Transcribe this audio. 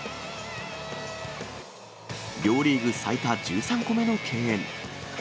両リーグ最多１３個目の敬遠。